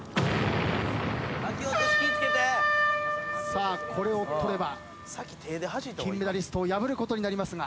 さあこれを取れば金メダリストを破ることになりますが。